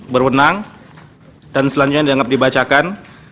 berwenang dan selanjutnya dianggap dibacakan